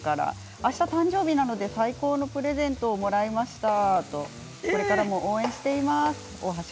あした誕生日なので最高のプレゼントをもらいましたときています。